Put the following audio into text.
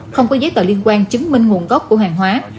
không có giấy tờ liên quan chứng minh nguồn gốc của hàng hóa